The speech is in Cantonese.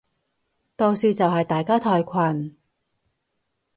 到時就係大家退群